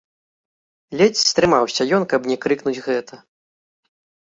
Ледзь стрымаўся ён, каб не крыкнуць гэта.